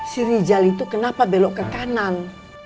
si rijal itu kenapa belok ke kanan